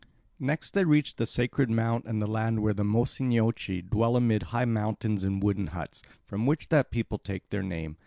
Next they reached the sacred mount and the land where the Mossynoeci dwell amid high mountains in wooden huts, from which that people take their name.